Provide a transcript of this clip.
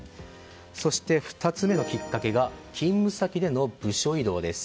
そして２つ目のきっかけが勤務先での部署異動です。